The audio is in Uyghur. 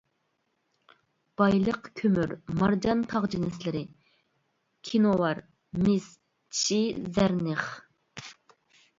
بايلىق كۆمۈر، مارجان تاغ جىنسلىرى، كىنوۋار، مىس، چىشى زەرنىخ.